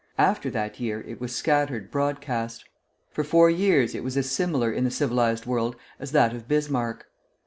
After that year it was scattered broadcast. For four years it was as familiar in the civilized world as that of Bismarck.